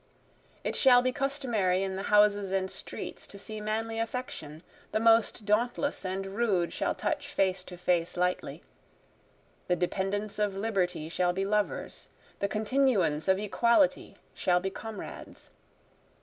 It shall be customary in the houses and streets to see manly affection, The most dauntless and rude shall touch face to face lightly, The dependence of Liberty shall be lovers, The continuance of Equality shall be comrades.